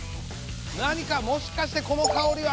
何かもしかしてこの香りは！